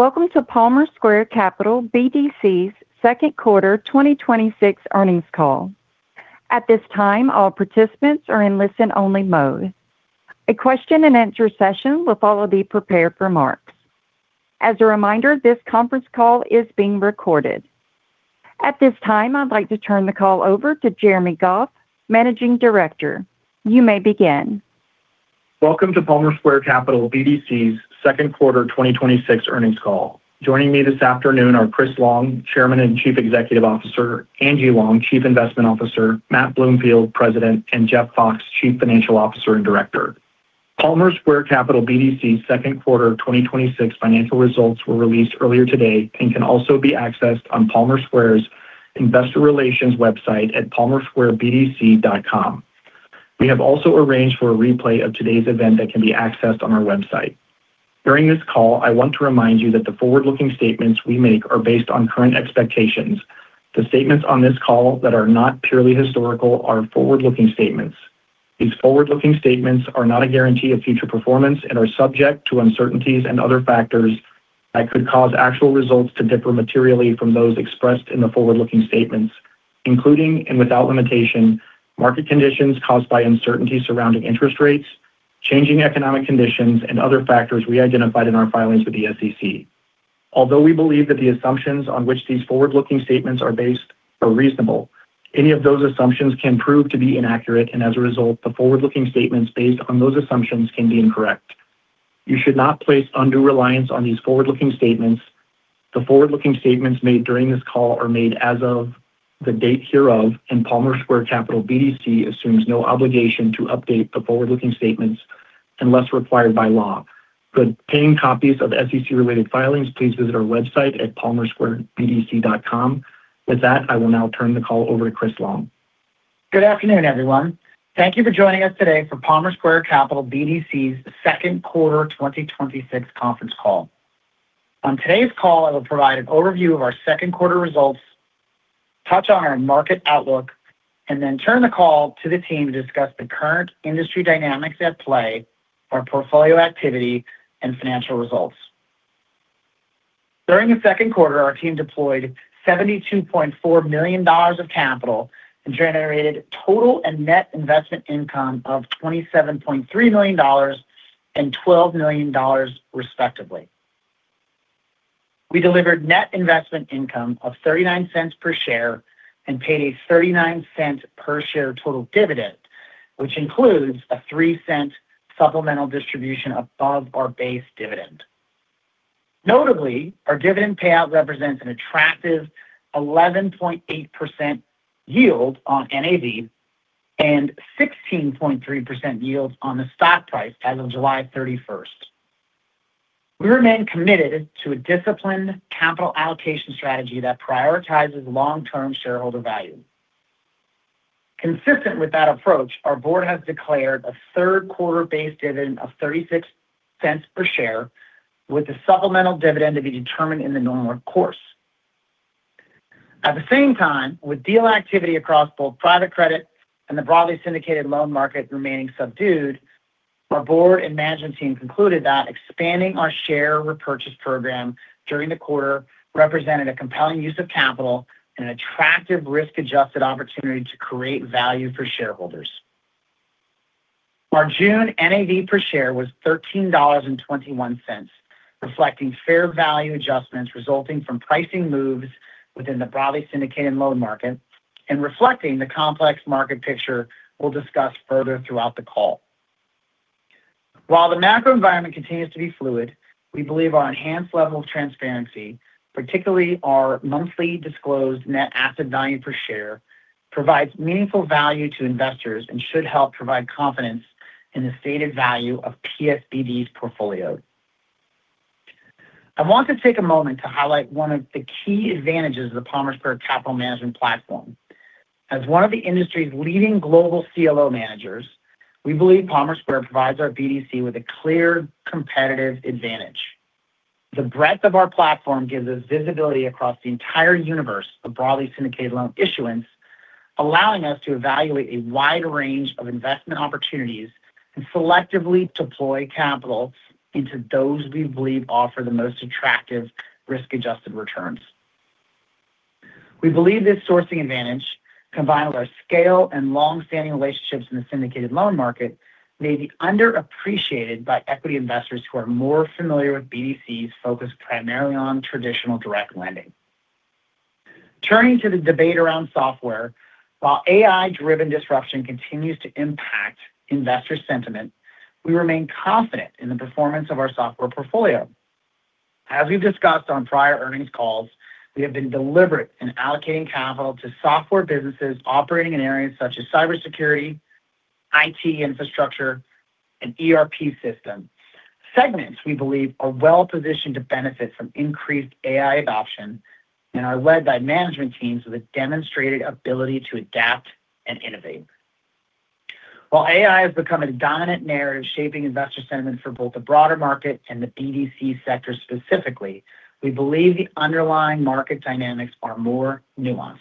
Welcome to Palmer Square Capital BDC's second quarter 2026 earnings call. At this time, all participants are in listen-only mode. A question and answer session will follow the prepared remarks. As a reminder, this conference call is being recorded. At this time, I'd like to turn the call over to Jeremy Goff, Managing Director. You may begin. Welcome to Palmer Square Capital BDC's second quarter 2026 earnings call. Joining me this afternoon are Chris Long, Chairman and Chief Executive Officer, Angie Long, Chief Investment Officer, Matt Bloomfield, President, and Jeff Fox, Chief Financial Officer and Director. Palmer Square Capital BDC's second quarter 2026 financial results were released earlier today and can also be accessed on Palmer Square's investor relations website at palmersquarebdc.com. We have also arranged for a replay of today's event that can be accessed on our website. During this call, I want to remind you that the forward-looking statements we make are based on current expectations. The statements on this call that are not purely historical are forward-looking statements. These forward-looking statements are not a guarantee of future performance and are subject to uncertainties and other factors that could cause actual results to differ materially from those expressed in the forward-looking statements, including and without limitation, market conditions caused by uncertainties surrounding interest rates, changing economic conditions, and other factors we identified in our filings with the SEC. Although we believe that the assumptions on which these forward-looking statements are based are reasonable, any of those assumptions can prove to be inaccurate, and as a result, the forward-looking statements based on those assumptions can be incorrect. You should not place undue reliance on these forward-looking statements. The forward-looking statements made during this call are made as of the date hereof, and Palmer Square Capital BDC assumes no obligation to update the forward-looking statements unless required by law. For obtaining copies of SEC-related filings, please visit our website at palmersquarebdc.com. With that, I will now turn the call over to Chris Long. Good afternoon, everyone. Thank you for joining us today for Palmer Square Capital BDC's second quarter 2026 conference call. On today's call, I will provide an overview of our second quarter results, touch on our market outlook, then turn the call to the team to discuss the current industry dynamics at play, our portfolio activity, and financial results. During the second quarter, our team deployed $72.4 million of capital and generated total and net investment income of $27.3 million and $12 million, respectively. We delivered net investment income of $0.39 per share and paid a $0.39 per share total dividend, which includes a $0.03 supplemental distribution above our base dividend. Notably, our dividend payout represents an attractive 11.8% yield on NAV and 16.3% yield on the stock price as of July 31st. We remain committed to a disciplined capital allocation strategy that prioritizes long-term shareholder value. Consistent with that approach, our board has declared a third quarter base dividend of $0.36 per share, with the supplemental dividend to be determined in the normal course. At the same time, with deal activity across both private credit and the broadly syndicated loan market remaining subdued, our board and management team concluded that expanding our share repurchase program during the quarter represented a compelling use of capital and an attractive risk-adjusted opportunity to create value for shareholders. Our June NAV per share was $13.21, reflecting fair value adjustments resulting from pricing moves within the broadly syndicated loan market and reflecting the complex market picture we'll discuss further throughout the call. While the macro environment continues to be fluid, we believe our enhanced level of transparency, particularly our monthly disclosed net asset value per share, provides meaningful value to investors and should help provide confidence in the stated value of PSBD's portfolio. I want to take a moment to highlight one of the key advantages of the Palmer Square Capital Management platform. As one of the industry's leading global CLO managers, we believe Palmer Square provides our BDC with a clear competitive advantage. The breadth of our platform gives us visibility across the entire universe of broadly syndicated loan issuance, allowing us to evaluate a wide range of investment opportunities and selectively deploy capital into those we believe offer the most attractive risk-adjusted returns. We believe this sourcing advantage, combined with our scale and long-standing relationships in the syndicated loan market, may be underappreciated by equity investors who are more familiar with BDCs focused primarily on traditional direct lending. Turning to the debate around software, while AI-driven disruption continues to impact investor sentiment, we remain confident in the performance of our software portfolio. As we've discussed on prior earnings calls, we have been deliberate in allocating capital to software businesses operating in areas such as cybersecurity, IT infrastructure, and ERP systems, segments we believe are well-positioned to benefit from increased AI adoption and are led by management teams with a demonstrated ability to adapt and innovate. While AI has become a dominant narrative shaping investor sentiment for both the broader market and the BDC sector specifically, we believe the underlying market dynamics are more nuanced.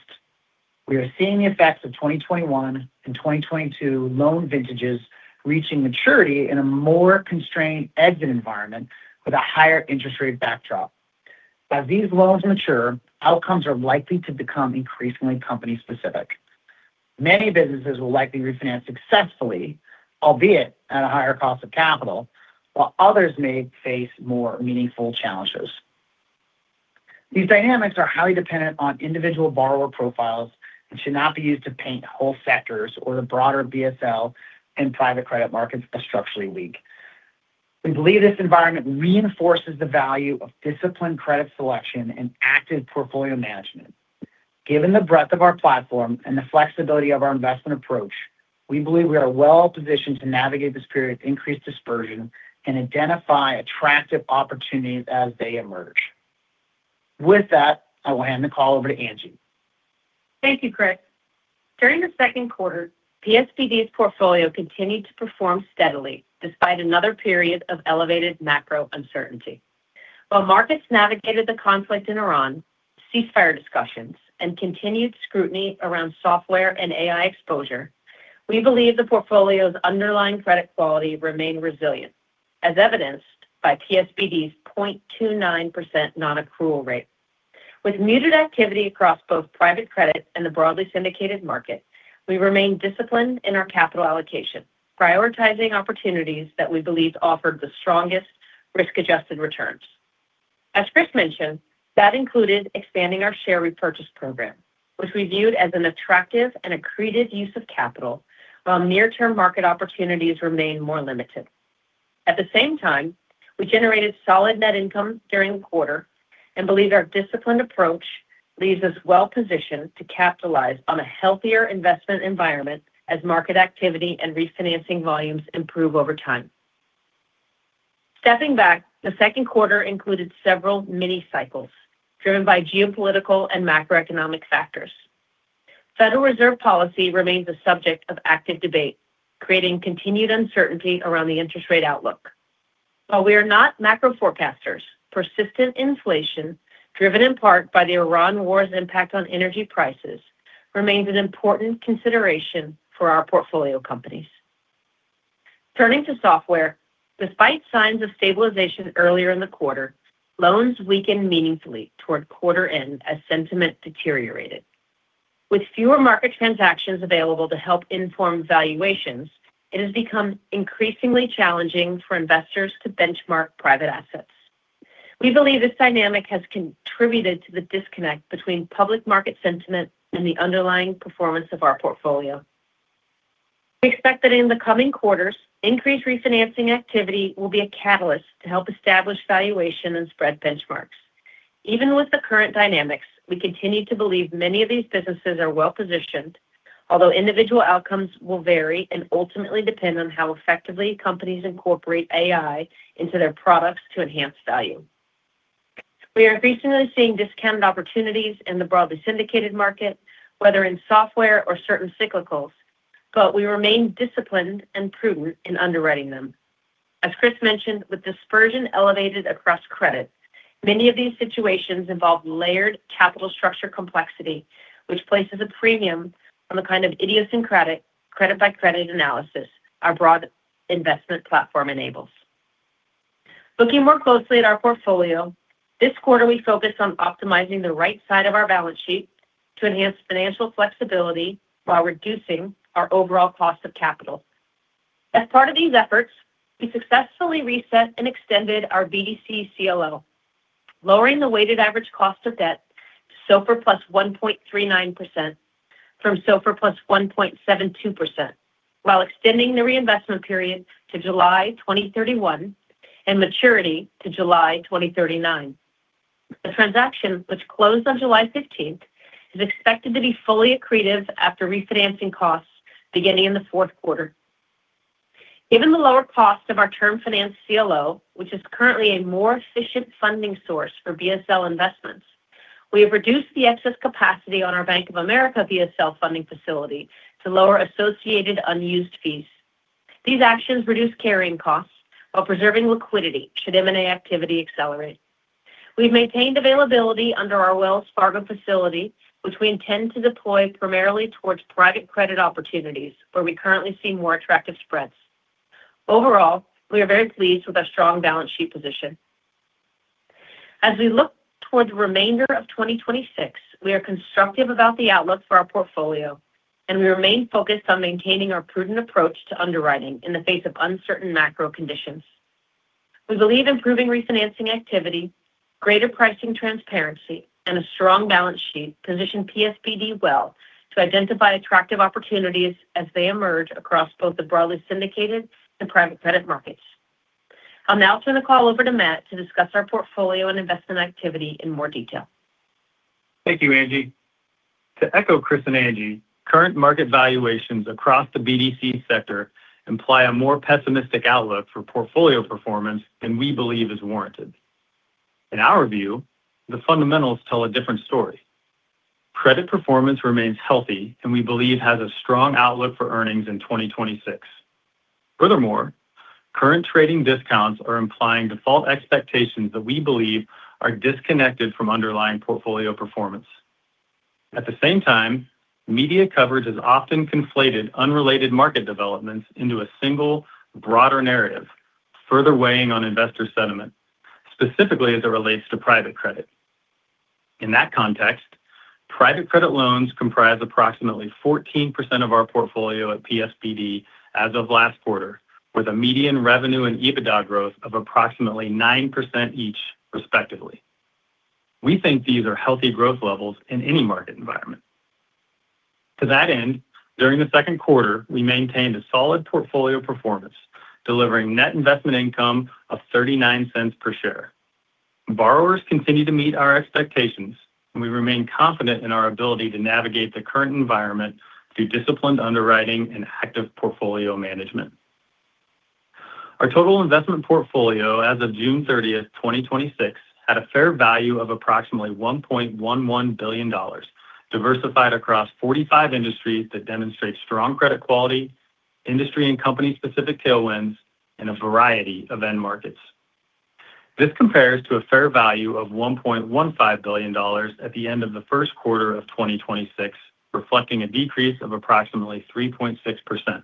We are seeing the effects of 2021 and 2022 loan vintages reaching maturity in a more constrained exit environment with a higher interest rate backdrop. As these loans mature, outcomes are likely to become increasingly company specific. Many businesses will likely refinance successfully, albeit at a higher cost of capital, while others may face more meaningful challenges. These dynamics are highly dependent on individual borrower profiles and should not be used to paint whole sectors or the broader BSL in private credit markets as structurally weak. We believe this environment reinforces the value of disciplined credit selection and active portfolio management. Given the breadth of our platform and the flexibility of our investment approach, we believe we are well-positioned to navigate this period of increased dispersion and identify attractive opportunities as they emerge. With that, I will hand the call over to Angie. Thank you, Chris. During the second quarter, PSBD's portfolio continued to perform steadily despite another period of elevated macro uncertainty. While markets navigated the conflict in Iran, ceasefire discussions, and continued scrutiny around software and AI exposure, we believe the portfolio's underlying credit quality remained resilient, as evidenced by PSBD's 0.29% non-accrual rate. With muted activity across both private credit and the broadly syndicated market, we remained disciplined in our capital allocation, prioritizing opportunities that we believe offered the strongest risk-adjusted returns. As Chris mentioned, that included expanding our share repurchase program, which we viewed as an attractive and accretive use of capital, while near-term market opportunities remained more limited. At the same time, we generated solid net income during the quarter and believe our disciplined approach leaves us well positioned to capitalize on a healthier investment environment as market activity and refinancing volumes improve over time. Stepping back, the second quarter included several mini cycles driven by geopolitical and macroeconomic factors. Federal Reserve policy remains a subject of active debate, creating continued uncertainty around the interest rate outlook. While we are not macro forecasters, persistent inflation, driven in part by the Iran war's impact on energy prices, remains an important consideration for our portfolio companies. Turning to software, despite signs of stabilization earlier in the quarter, loans weakened meaningfully toward quarter end as sentiment deteriorated. With fewer market transactions available to help inform valuations, it has become increasingly challenging for investors to benchmark private assets. We believe this dynamic has contributed to the disconnect between public market sentiment and the underlying performance of our portfolio. We expect that in the coming quarters, increased refinancing activity will be a catalyst to help establish valuation and spread benchmarks. Even with the current dynamics, we continue to believe many of these businesses are well-positioned, although individual outcomes will vary and ultimately depend on how effectively companies incorporate AI into their products to enhance value. We are recently seeing discounted opportunities in the broadly syndicated market, whether in software or certain cyclicals, but we remain disciplined and prudent in underwriting them. As Chris mentioned, with dispersion elevated across credits, many of these situations involve layered capital structure complexity, which places a premium on the kind of idiosyncratic credit by credit analysis our broad investment platform enables. Looking more closely at our portfolio, this quarter we focused on optimizing the right side of our balance sheet to enhance financial flexibility while reducing our overall cost of capital. As part of these efforts, we successfully reset and extended our BDC CLO, lowering the weighted average cost of debt to SOFR plus 1.39% from SOFR plus 1.72%, while extending the reinvestment period to July 2031 and maturity to July 2039. The transaction, which closed on July 15th, is expected to be fully accretive after refinancing costs beginning in the fourth quarter. Given the lower cost of our term finance CLO, which is currently a more efficient funding source for BSL investments, we have reduced the excess capacity on our Bank of America BSL funding facility to lower associated unused fees. These actions reduce carrying costs while preserving liquidity should M&A activity accelerate. We've maintained availability under our Wells Fargo facility, which we intend to deploy primarily towards private credit opportunities where we currently see more attractive spreads. Overall, we are very pleased with our strong balance sheet position. As we look toward the remainder of 2026, we are constructive about the outlook for our portfolio, and we remain focused on maintaining our prudent approach to underwriting in the face of uncertain macro conditions. We believe improving refinancing activity, greater pricing transparency, and a strong balance sheet position PSBD well to identify attractive opportunities as they emerge across both the broadly syndicated and private credit markets. I'll now turn the call over to Matt to discuss our portfolio and investment activity in more detail. Thank you, Angie. To echo Chris and Angie, current market valuations across the BDC sector imply a more pessimistic outlook for portfolio performance than we believe is warranted. In our view, the fundamentals tell a different story. Credit performance remains healthy and we believe has a strong outlook for earnings in 2026. Furthermore, current trading discounts are implying default expectations that we believe are disconnected from underlying portfolio performance. At the same time, media coverage has often conflated unrelated market developments into a single broader narrative, further weighing on investor sentiment, specifically as it relates to private credit. In that context, private credit loans comprise approximately 14% of our portfolio at PSBD as of last quarter, with a median revenue and EBITDA growth of approximately 9% each respectively. We think these are healthy growth levels in any market environment. To that end, during the second quarter, we maintained a solid portfolio performance, delivering net investment income of $0.39 per share. Borrowers continue to meet our expectations, and we remain confident in our ability to navigate the current environment through disciplined underwriting and active portfolio management. Our total investment portfolio as of June 30th, 2026, had a fair value of approximately $1.11 billion, diversified across 45 industries that demonstrate strong credit quality, industry and company-specific tailwinds, and a variety of end markets. This compares to a fair value of $1.15 billion at the end of the first quarter of 2026, reflecting a decrease of approximately 3.6%.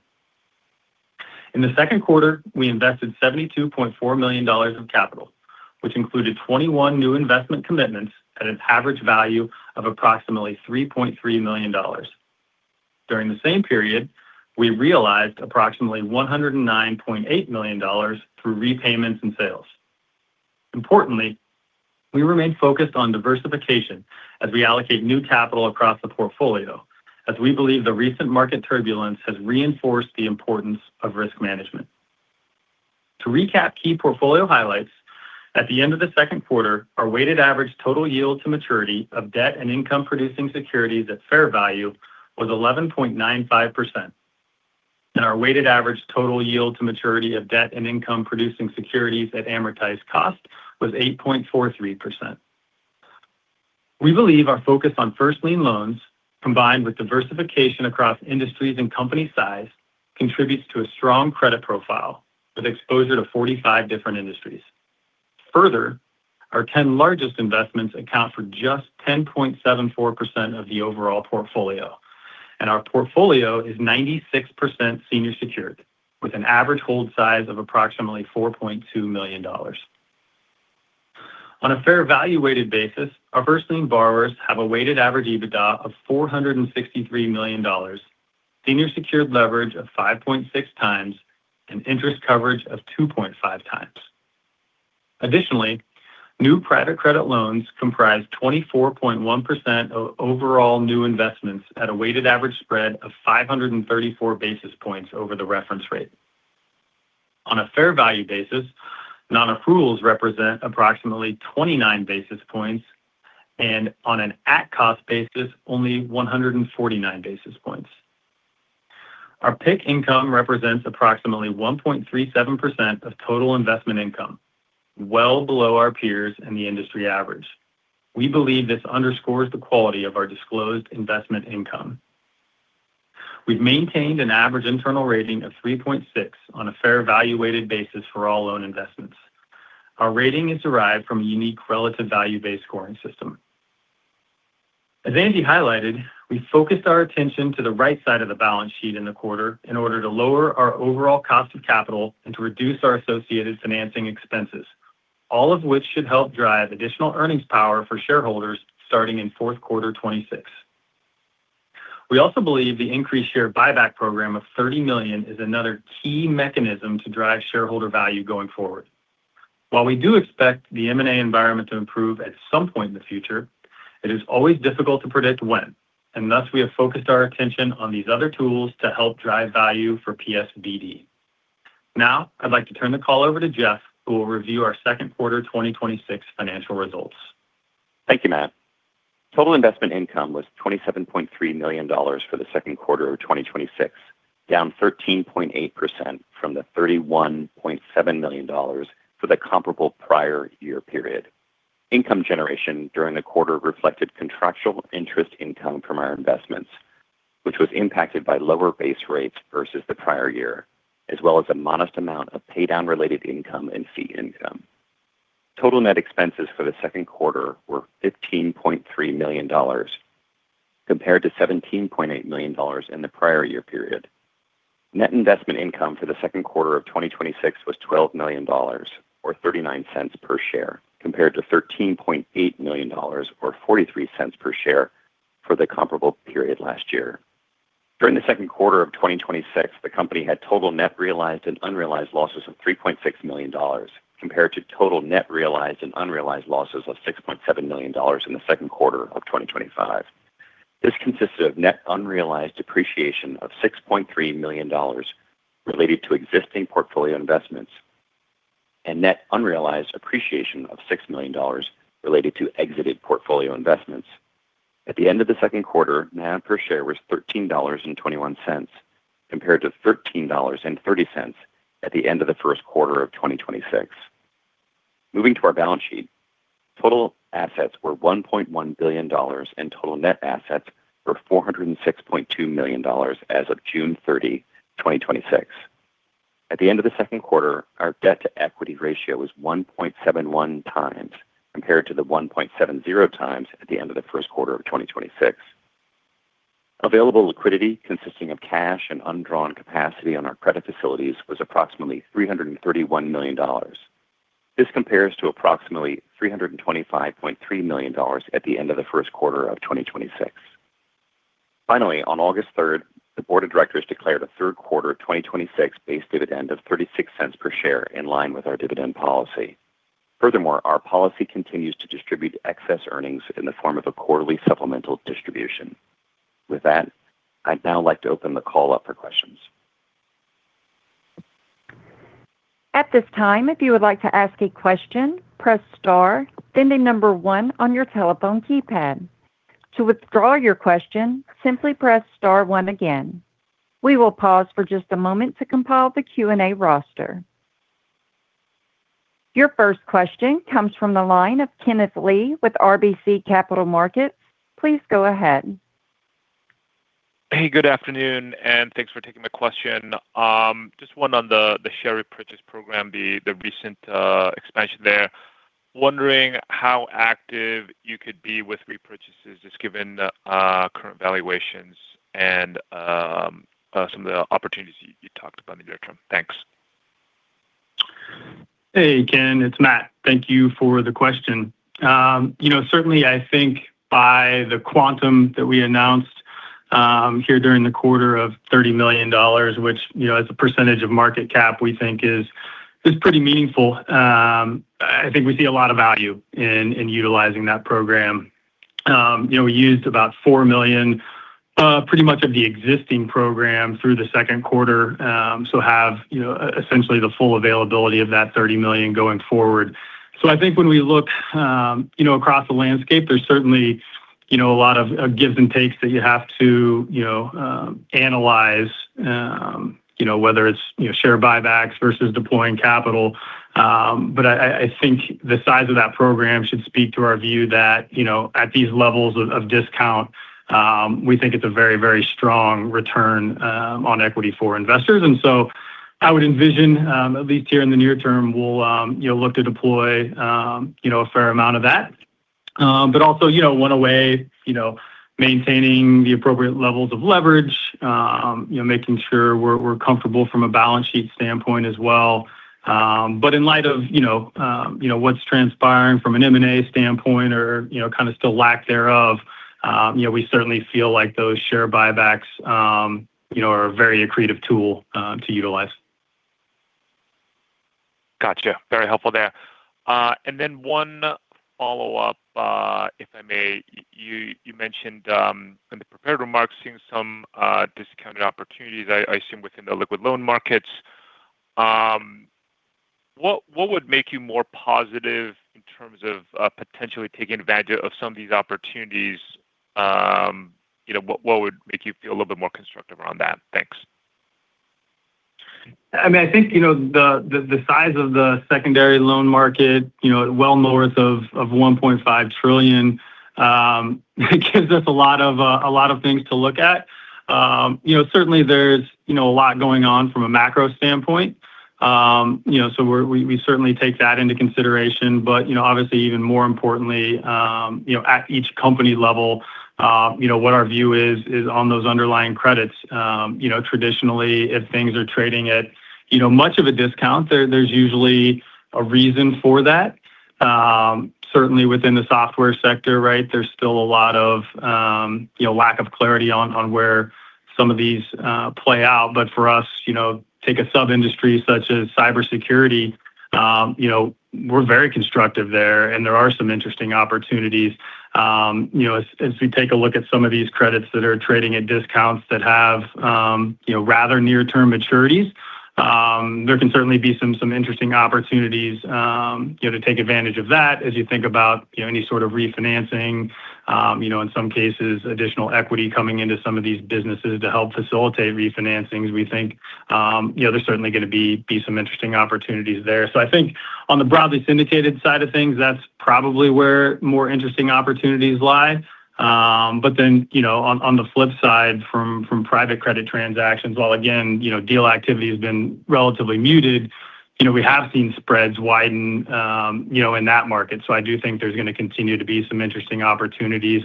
In the second quarter, we invested $72.4 million of capital, which included 21 new investment commitments at an average value of approximately $3.3 million. During the same period, we realized approximately $109.8 million through repayments and sales. Importantly, we remain focused on diversification as we allocate new capital across the portfolio, as we believe the recent market turbulence has reinforced the importance of risk management. To recap key portfolio highlights, at the end of the second quarter, our weighted average total yield to maturity of debt and income-producing securities at fair value was 11.95%. Our weighted average total yield to maturity of debt and income-producing securities at amortized cost was 8.43%. We believe our focus on first-lien loans, combined with diversification across industries and company size, contributes to a strong credit profile with exposure to 45 different industries. Further, our 10 largest investments account for just 10.74% of the overall portfolio, and our portfolio is 96% senior secured, with an average hold size of approximately $4.2 million. On a fair value weighted basis, our first-lien borrowers have a weighted average EBITDA of $463 million, senior secured leverage of 5.6x, and interest coverage of 2.5x. Additionally, new private credit loans comprise 24.1% of overall new investments at a weighted average spread of 534 basis points over the reference rate. On a fair value basis, non-accruals represent approximately 29 basis points, and on an at-cost basis, only 149 basis points. Our PIK income represents approximately 1.37% of total investment income, well below our peers and the industry average. We believe this underscores the quality of our disclosed investment income. We've maintained an average internal rating of 3.6 on a fair value weighted basis for all loan investments. Our rating is derived from a unique relative value-based scoring system. As Angie highlighted, we focused our attention to the right side of the balance sheet in the quarter in order to lower our overall cost of capital and to reduce our associated financing expenses, all of which should help drive additional earnings power for shareholders starting in fourth quarter 2026. We also believe the increased share buyback program of $30 million is another key mechanism to drive shareholder value going forward. While we do expect the M&A environment to improve at some point in the future, it is always difficult to predict when, and thus we have focused our attention on these other tools to help drive value for PSBD. Now, I'd like to turn the call over to Jeff, who will review our second quarter 2026 financial results. Thank you, Matt. Total investment income was $27.3 million for the second quarter of 2026, down 13.8% from the $31.7 million for the comparable prior year period. Income generation during the quarter reflected contractual interest income from our investments, which was impacted by lower base rates versus the prior year, as well as a modest amount of paydown-related income and fee income. Total net expenses for the second quarter were $15.3 million compared to $17.8 million in the prior year period. Net investment income for the second quarter of 2026 was $12 million, or $0.39 per share, compared to $13.8 million, or $0.43 per share for the comparable period last year. During the second quarter of 2026, the company had total net realized and unrealized losses of $3.6 million, compared to total net realized and unrealized losses of $6.7 million in the second quarter of 2025. This consisted of net unrealized depreciation of $6.3 million related to existing portfolio investments and net unrealized appreciation of $6 million related to exited portfolio investments. At the end of the second quarter, NAV per share was $13.21, compared to $13.30 at the end of the first quarter of 2026. Moving to our balance sheet, total assets were $1.1 billion, and total net assets were $406.2 million as of June 30, 2026. At the end of the second quarter, our debt-to-equity ratio was 1.71x, compared to the 1.70x at the end of the first quarter of 2026. Available liquidity, consisting of cash and undrawn capacity on our credit facilities, was approximately $331 million. This compares to approximately $325.3 million at the end of the first quarter of 2026. Finally, on August 3rd, the board of directors declared a third quarter of 2026 base dividend of $0.36 per share, in line with our dividend policy. Our policy continues to distribute excess earnings in the form of a quarterly supplemental distribution. I'd now like to open the call up for questions. If you would like to ask a question, press star then the number one on your telephone keypad. To withdraw your question, simply press star one again. We will pause for just a moment to compile the Q&A roster. Your first question comes from the line of Kenneth Lee with RBC Capital Markets. Please go ahead. Hey, good afternoon, and thanks for taking the question. Just one on the share repurchase program, the recent expansion there. Wondering how active you could be with repurchases, just given the current valuations and some of the opportunities you talked about in the near term. Thanks. Ken, it's Matt. Thank you for the question. I think by the quantum that we announced here during the quarter of $30 million, which as a percentage of market cap we think is pretty meaningful. I think we see a lot of value in utilizing that program. We used about $4 million pretty much of the existing program through the second quarter, so have essentially the full availability of that $30 million going forward. I think when we look across the landscape, there's certainly a lot of gives and takes that you have to analyze, whether it's share buybacks versus deploying capital. I think the size of that program should speak to our view that at these levels of discount, we think it's a very, very strong return on equity for investors. I would envision, at least here in the near term, we'll look to deploy a fair amount of that. Also, one way, maintaining the appropriate levels of leverage, making sure we're comfortable from a balance sheet standpoint as well. In light of what's transpiring from an M&A standpoint or kind of still lack thereof, we certainly feel like those share buybacks are a very accretive tool to utilize. Got you. Very helpful there. One follow-up, if I may. You mentioned in the prepared remarks seeing some discounted opportunities, I assume within the liquid loan markets. What would make you more positive in terms of potentially taking advantage of some of these opportunities? What would make you feel a little bit more constructive around that? Thanks. I think the size of the secondary loan market well north of $1.5 trillion gives us a lot of things to look at. There's a lot going on from a macro standpoint, we certainly take that into consideration. Obviously even more importantly, at each company level, what our view is on those underlying credits. Traditionally, if things are trading at much of a discount, there's usually a reason for that. Within the software sector there's still a lot of lack of clarity on where some of these play out. For us, take a sub-industry such as cybersecurity, we're very constructive there, and there are some interesting opportunities. We take a look at some of these credits that are trading at discounts that have rather near-term maturities, there can certainly be some interesting opportunities to take advantage of that as you think about any sort of refinancing. In some cases, additional equity coming into some of these businesses to help facilitate refinancings. We think there's certainly going to be some interesting opportunities there. I think on the broadly syndicated side of things, that's probably where more interesting opportunities lie. On the flip side, from private credit transactions, while again, deal activity has been relatively muted, we have seen spreads widen in that market. I do think there's going to continue to be some interesting opportunities.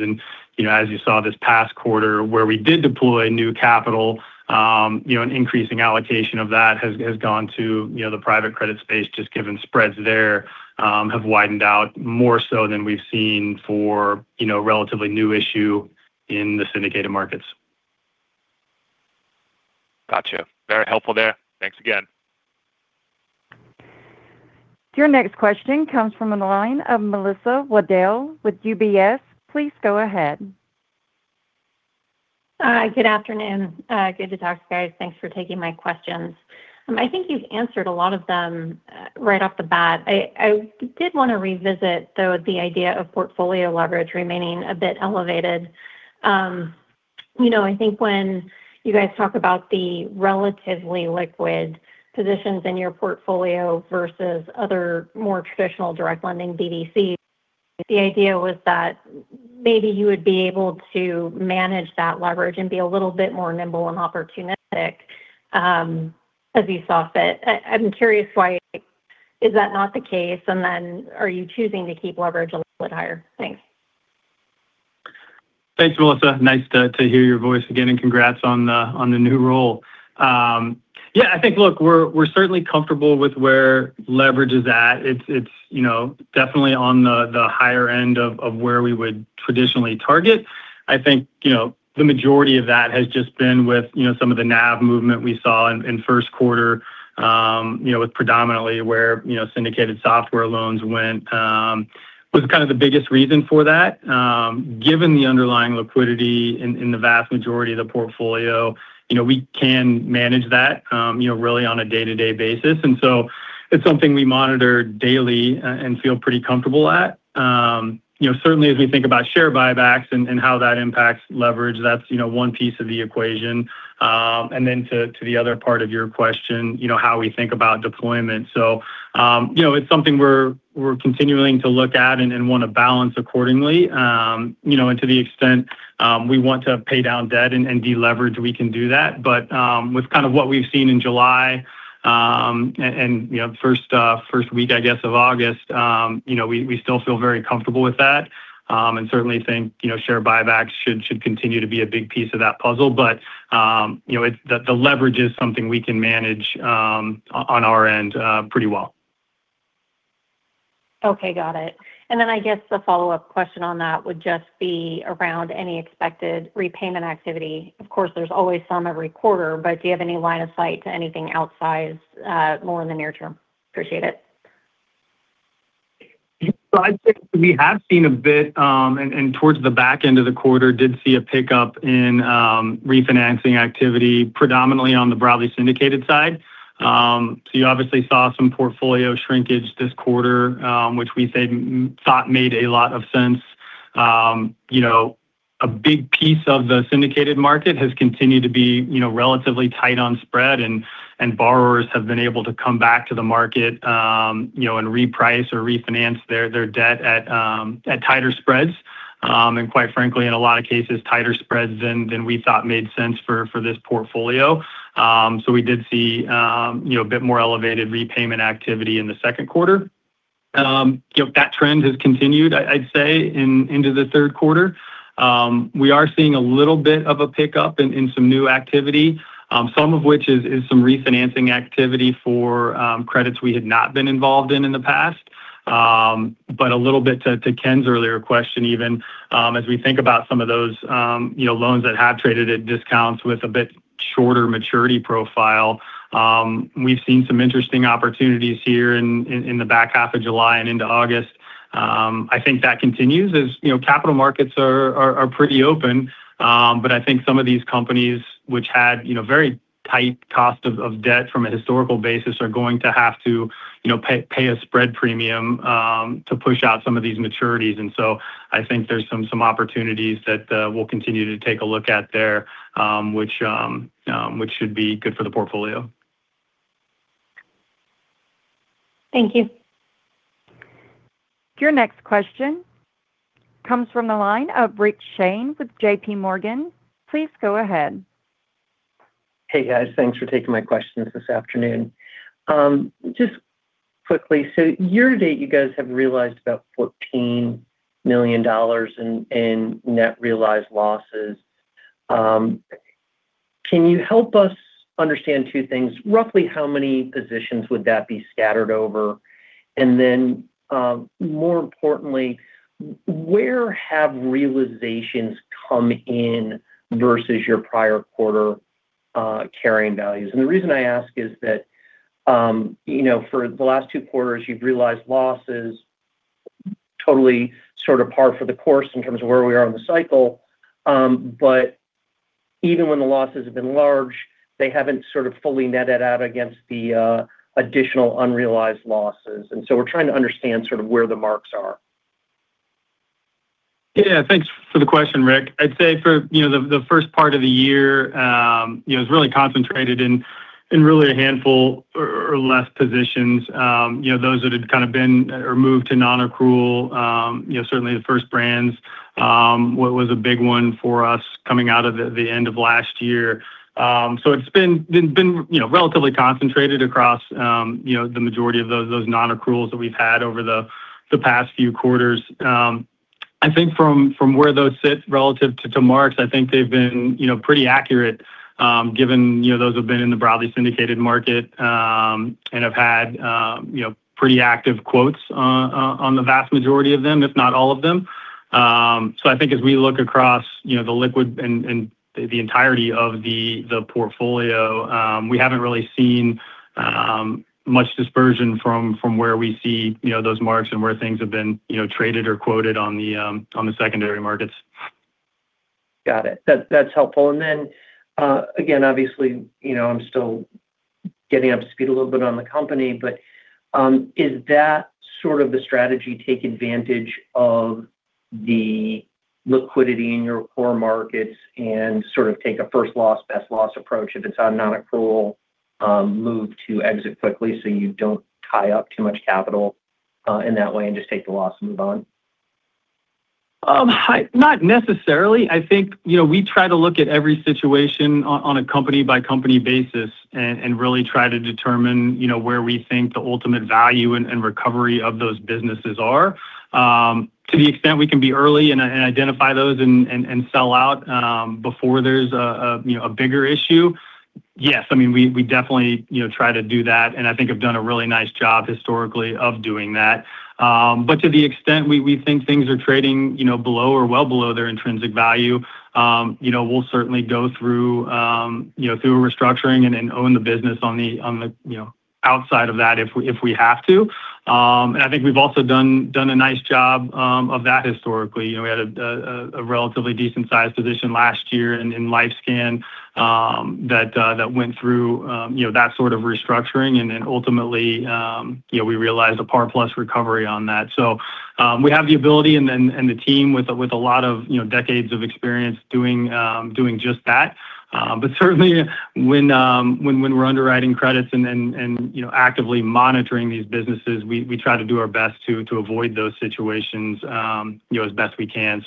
As you saw this past quarter where we did deploy new capital, an increasing allocation of that has gone to the private credit space just given spreads there have widened out more so than we've seen for relatively new issue in the syndicated markets. Got you. Very helpful there. Thanks again. Your next question comes from the line of Melissa Wedel with UBS. Please go ahead. Good afternoon. Good to talk to you guys. Thanks for taking my questions. I think you've answered a lot of them right off the bat. I did want to revisit, though, the idea of portfolio leverage remaining a bit elevated. I think when you guys talk about the relatively liquid positions in your portfolio versus other more traditional direct lending BDCs, the idea was that maybe you would be able to manage that leverage and be a little bit more nimble and opportunistic as you saw fit. I'm curious why is that not the case, and then are you choosing to keep leverage a little bit higher? Thanks. Thanks, Melissa. Nice to hear your voice again, congrats on the new role. I think, look, we're certainly comfortable with where leverage is at. It's definitely on the higher end of where we would traditionally target. I think, the majority of that has just been with some of the NAV movement we saw in first quarter with predominantly where syndicated SOFR loans went, was kind of the biggest reason for that. Given the underlying liquidity in the vast majority of the portfolio, we can manage that really on a day-to-day basis. It's something we monitor daily and feel pretty comfortable at. Certainly as we think about share buybacks and how that impacts leverage, that's one piece of the equation. To the other part of your question, how we think about deployment. It's something we're continuing to look at and want to balance accordingly. To the extent we want to pay down debt and de-leverage, we can do that. With kind of what we've seen in July, and the first week, I guess, of August, we still feel very comfortable with that, and certainly think share buybacks should continue to be a big piece of that puzzle. The leverage is something we can manage on our end pretty well. Okay. Got it. I guess the follow-up question on that would just be around any expected repayment activity. Of course, there's always some every quarter, but do you have any line of sight to anything outsized more in the near term? Appreciate it. Yeah. I'd say we have seen a bit, towards the back end of the quarter did see a pickup in refinancing activity, predominantly on the broadly syndicated side. You obviously saw some portfolio shrinkage this quarter, which we thought made a lot of sense. A big piece of the syndicated market has continued to be relatively tight on spread and borrowers have been able to come back to the market and reprice or refinance their debt at tighter spreads. Quite frankly, in a lot of cases, tighter spreads than we thought made sense for this portfolio. We did see a bit more elevated repayment activity in the second quarter. That trend has continued, I'd say, into the third quarter. We are seeing a little bit of a pickup in some new activity. Some of which is some refinancing activity for credits we had not been involved in in the past. A little bit to Ken's earlier question even, as we think about some of those loans that have traded at discounts with a bit shorter maturity profile, we've seen some interesting opportunities here in the back half of July and into August. I think that continues as capital markets are pretty open. I think some of these companies which had very tight cost of debt from a historical basis are going to have to pay a spread premium to push out some of these maturities. I think there's some opportunities that we'll continue to take a look at there, which should be good for the portfolio. Thank you. Your next question comes from the line of Rich Shane with JPMorgan. Please go ahead. Hey, guys. Thanks for taking my questions this afternoon. Quickly, year-to-date you guys have realized about $14 million in net realized losses. Can you help us understand two things? Roughly how many positions would that be scattered over? More importantly, where have realizations come in versus your prior quarter carrying values? The reason I ask is that for the last two quarters, you've realized losses, totally sort of par for the course in terms of where we are in the cycle. Even when the losses have been large, they haven't sort of fully netted out against the additional unrealized losses. We're trying to understand sort of where the marks are. Yeah, thanks for the question, Rich. I'd say for the first part of the year, it was really concentrated in really a handful or less positions. Those that had kind of been or moved to non-accrual. Certainly the First Brands was a big one for us coming out of the end of last year. It's been relatively concentrated across the majority of those non-accruals that we've had over the past few quarters. I think from where those sit relative to marks, I think they've been pretty accurate, given those have been in the broadly syndicated market, and have had pretty active quotes on the vast majority of them, if not all of them. I think as we look across the liquid and the entirety of the portfolio, we haven't really seen much dispersion from where we see those marks and where things have been traded or quoted on the secondary markets. Got it. That's helpful. Again, obviously, I'm still getting up to speed a little bit on the company, but is that sort of the strategy, take advantage of the liquidity in your core markets and sort of take a first loss, best loss approach? If it's on non-accrual, move to exit quickly so you don't tie up too much capital in that way and just take the loss and move on? Not necessarily. I think we try to look at every situation on a company-by-company basis and really try to determine where we think the ultimate value and recovery of those businesses are. To the extent we can be early and identify those and sell out before there's a bigger issue, yes. We definitely try to do that, and I think have done a really nice job historically of doing that. To the extent we think things are trading below or well below their intrinsic value, we'll certainly go through a restructuring and own the business on the outside of that if we have to. I think we've also done a nice job of that historically. We had a relatively decent-sized position last year in LifeScan that went through that sort of restructuring, and then ultimately, we realized a par plus recovery on that. We have the ability and the team with a lot of decades of experience doing just that. Certainly, when we're underwriting credits and actively monitoring these businesses, we try to do our best to avoid those situations as best we can.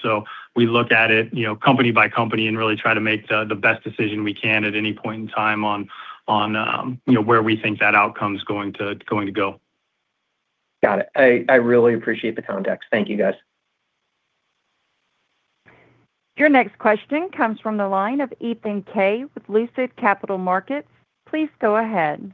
We look at it company by company and really try to make the best decision we can at any point in time on where we think that outcome's going to go. Got it. I really appreciate the context. Thank you, guys. Your next question comes from the line of Ethan Kaye with Lucid Capital Markets. Please go ahead.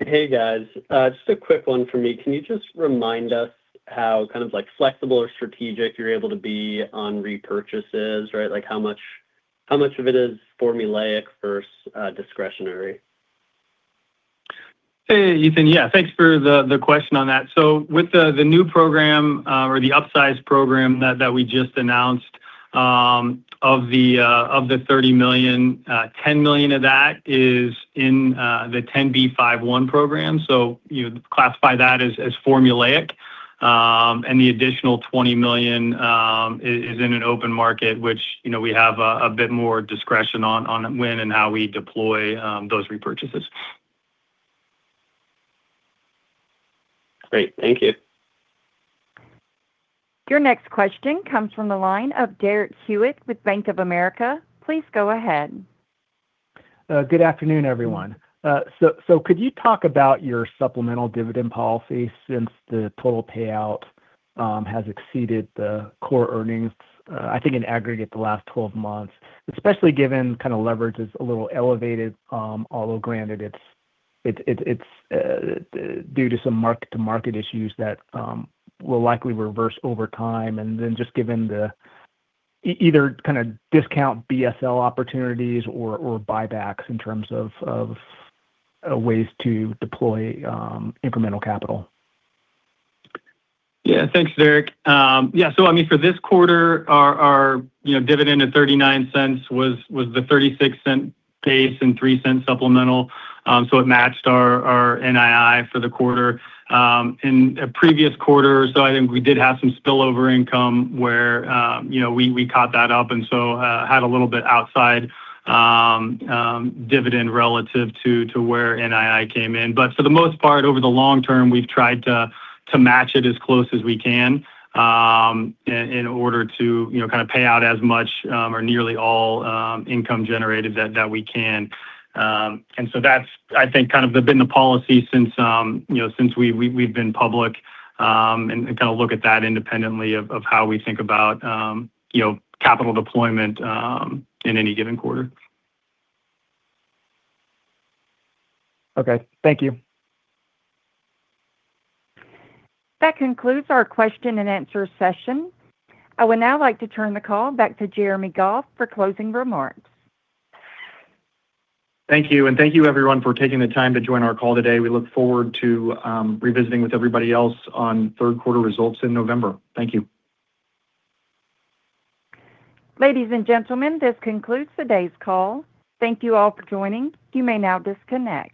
Hey, guys. Just a quick one from me. Can you just remind us how kind of flexible or strategic you're able to be on repurchases, right? How much of it is formulaic versus discretionary? Hey, Ethan. Yeah, thanks for the question on that. With the new program or the upsized program that we just announced, of the $30 million, $10 million of that is in the 10b5-1 program, you'd classify that as formulaic. The additional $20 million is in an open market, which we have a bit more discretion on when and how we deploy those repurchases. Great. Thank you. Your next question comes from the line of Derek Hewett with Bank of America. Please go ahead. Good afternoon, everyone. Could you talk about your supplemental dividend policy, since the total payout has exceeded the core earnings, I think in aggregate the last 12 months, especially given leverage is a little elevated. Although granted, it's due to some mark-to-market issues that will likely reverse over time, and then just given the either kind of discount BSL opportunities or buybacks in terms of ways to deploy incremental capital. Thanks, Derek. For this quarter, our dividend of $0.39 was the $0.36 base and $0.03 supplemental. It matched our NII for the quarter. In a previous quarter or so, I think we did have some spillover income where we caught that up and had a little bit outside dividend relative to where NII came in. For the most part, over the long term, we've tried to match it as close as we can in order to kind of pay out as much or nearly all income generated that we can. That's, I think, kind of been the policy since we've been public, and kind of look at that independently of how we think about capital deployment in any given quarter. Okay. Thank you. That concludes our question and answer session. I would now like to turn the call back to Jeremy Goff for closing remarks. Thank you, and thank you everyone for taking the time to join our call today. We look forward to revisiting with everybody else on third quarter results in November. Thank you. Ladies and gentlemen, this concludes today's call. Thank you all for joining. You may now disconnect.